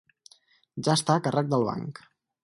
Ja està a càrrec del banc.